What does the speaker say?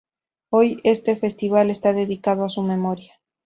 Hoy este festival está dedicado a su memoria.